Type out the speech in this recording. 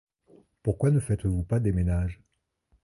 Pourquoi ne faites-vous pas des ménages?